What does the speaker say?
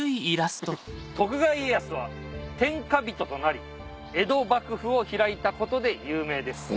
徳川家康は天下人となり江戸幕府を開いたことで有名です。